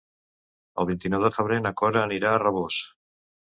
El vint-i-nou de febrer na Cora anirà a Rabós.